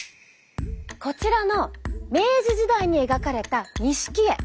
こちらの明治時代に描かれた錦絵。